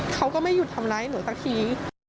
เขาก็ไม่หยุดทำร้ายหนูสักที